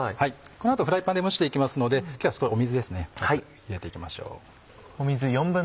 この後フライパンで蒸して行きますので水ですね入れて行きましょう。